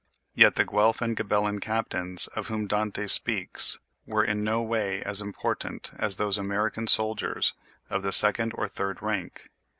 Yet the Guelph and Ghibellin captains of whom Dante speaks were in no way as important as these American soldiers of the second or third rank.